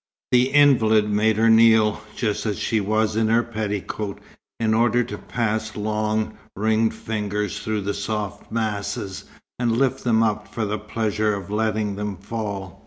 The invalid made her kneel, just as she was in her petticoat, in order to pass long, ringed fingers through the soft masses, and lift them up for the pleasure of letting them fall.